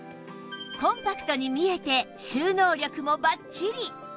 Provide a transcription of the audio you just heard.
コンパクトに見えて収納力もバッチリ！